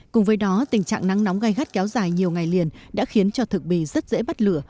cùng với đó tình trạng nắng nóng gai gắt kéo dài nhiều ngày liền đã khiến cho thực bì rất dễ bắt lửa